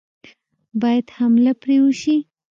باید حمله پرې وشي.